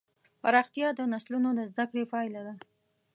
پراختیا د نسلونو د زدهکړې پایله ده.